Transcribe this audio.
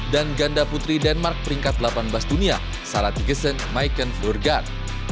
dan ganda putri denmark peringkat delapan belas dunia sara tegesen maiken flurgardt